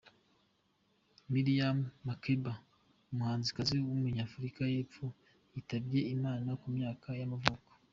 Miriam Makeba, umuhanzikazi w’umunya-Afurika y’epfo, yitabye Imana ku myaka y’amavuko.